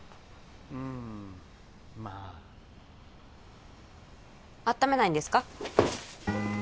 うんまああっためないんですか？